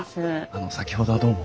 あっ先ほどはどうも。